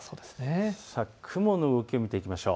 雲の動きを見ていきましょう。